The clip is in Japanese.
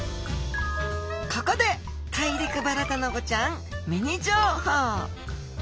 ここでタイリクバラタナゴちゃんミニ情報！